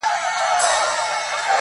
دا ستا ښكلا ته شعر ليكم.